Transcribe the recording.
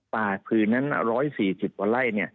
ป่าพื้นนั้น๑๔๐วัตรไล่